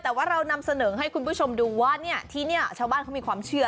แต่ว่าเรานำเสนอให้คุณผู้ชมดูว่าเนี่ยที่นี่ชาวบ้านเขามีความเชื่อ